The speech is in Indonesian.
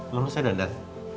lu harusnya dandan